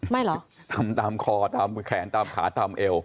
เหรอทำตามคอตามแขนตามขาตามเอว